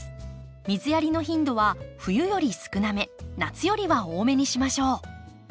水やりの頻度は冬より少なめ夏よりは多めにしましょう。